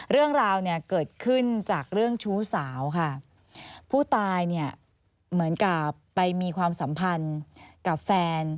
เรื่องราวเนี่ยเกิดขึ้นจากเรื่องชู้สาวค่ะผู้ตายเนี่ยเหมือนกับไปมีความสัมพันธ์กับแฟน